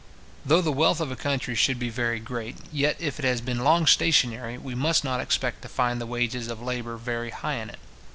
Though the wealth of a country should be very great, yet if it has been long stationary, we must not expect to find the wages of labour very high in it.